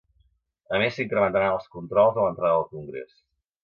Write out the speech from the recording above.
A més, s’incrementaran els controls a l’entrada del congrés.